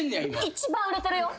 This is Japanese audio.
一番売れてるよ